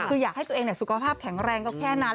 คืออยากให้ตัวเองสุขภาพแข็งแรงก็แค่นั้น